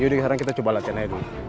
yaudah sekarang kita coba latihannya dulu